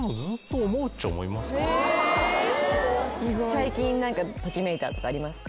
最近何かときめいたとかありますか？